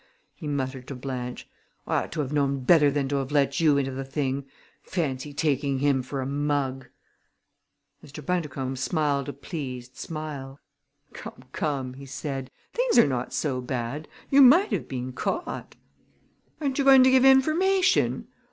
he muttered to Blanche. "I ought to have known better than to have let you into the thing. Fancy taking him for a mug!" Mr. Bundercombe smiled a pleased smile. "Come, come!" he said. "Things are not so bad. You might have been caught!" "Aren't you going to give information?"